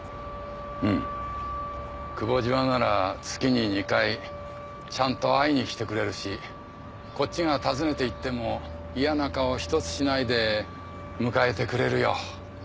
うん久保島なら月に２回ちゃんと会いにきてくれるしこっちが訪ねていっても嫌な顔一つしないで迎えてくれるよ。